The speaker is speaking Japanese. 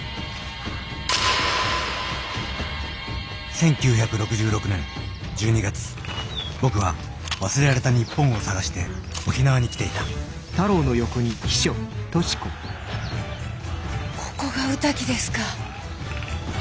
１９６６年１２月僕は忘れられた日本を探して沖縄に来ていたここが御嶽ですか。